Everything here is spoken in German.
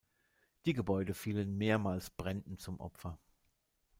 Die Gebäude fielen mehrmals Bränden zum Opfer.